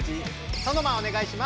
ソノマおねがいします。